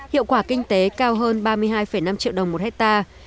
hiệu quả kinh tế cao hơn ba mươi hai năm triệu đồng một hectare